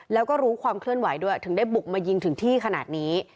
แล้วก็รู้ความเคลื่อนไหวด้วยถึงได้บุกมายิงถึงที่ขนาดนี้